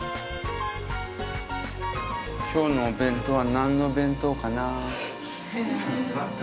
今日のお弁当は何のお弁当かな。